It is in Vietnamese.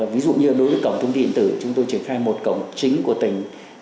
ví dụ như đối với cổng thông tin điện tử chúng tôi triển khai một cổng chính của tỉnh